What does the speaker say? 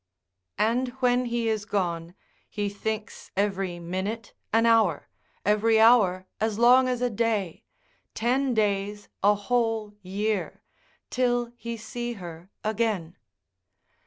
And when he is gone, he thinks every minute an hour, every hour as long as a day, ten days a whole year, till he see her again.